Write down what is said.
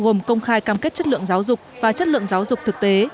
gồm công khai cam kết chất lượng giáo dục và chất lượng giáo dục thực tế